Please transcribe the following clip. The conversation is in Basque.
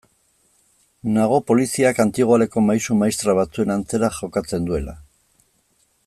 Nago poliziak antigoaleko maisu-maistra batzuen antzera jokatzen duela.